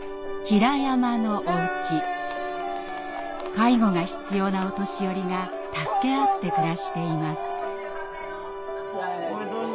介護が必要なお年寄りが助け合って暮らしています。